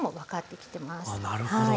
なるほど。